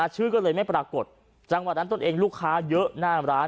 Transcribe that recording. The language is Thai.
ชื่อก็เลยไม่ปรากฏจังหวะนั้นตนเองลูกค้าเยอะหน้าร้าน